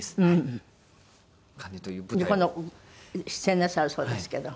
出演なさるそうですけど。